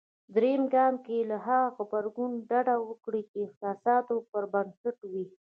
درېم ګام کې له هغه غبرګون ډډه وکړئ. چې د احساساتو پر بنسټ وي.